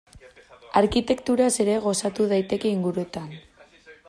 Arkitekturaz ere gozatu daiteke inguruotan.